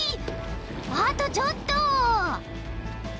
あとちょっと］